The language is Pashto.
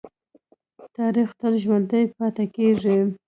تاریخ تل ژوندی پاتې کېږي.